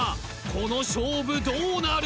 この勝負どうなる？